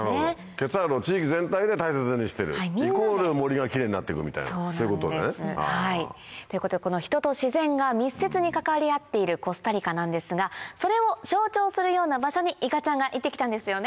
ケツァールを地域全体で大切にしてるイコール森がキレイになってくみたいなそういうことね。ということで人と自然が密接に関わり合っているコスタリカなんですがそれを象徴するような場所にいかちゃんが行ってきたんですよね。